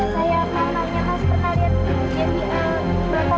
saya mau nanya mas pernah lihat jadi eh bapak bapak